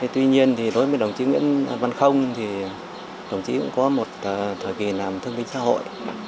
tuy nhiên thì đối với đồng chí nguyễn văn không thì đồng chí cũng có một thời kỳ làm thương binh xã hội